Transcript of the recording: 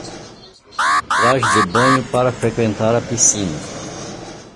Trajes de banho para frequentar a piscina